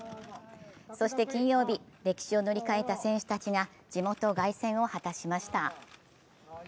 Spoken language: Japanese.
そして金曜日、歴史を塗り替えた選手たちが地元凱旋を果たしました。